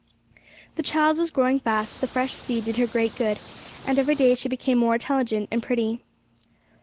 The child was growing fast; the fresh sea did her great good, and every day she became more intelligent and pretty.